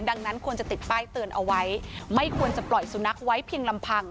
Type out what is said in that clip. ดังนั้นควรจะติดป้ายเตือนเอาไว้ไม่ควรจะปล่อยสุนัขไว้เพียงลำพัง